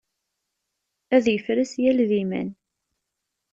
ad yefres yal d iman.